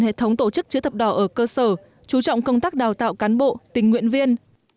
hệ thống tổ chức chữ thập đỏ ở cơ sở chú trọng công tác đào tạo cán bộ tình nguyện viên